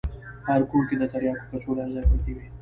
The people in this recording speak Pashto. په هر کور کښې د ترياکو کڅوړې هر ځاى پرتې وې.